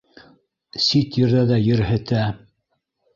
Сит ерҙәрҙә ерһетә